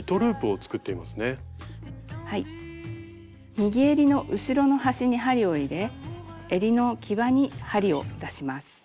右えりの後ろの端に針を入れえりの際に針を出します。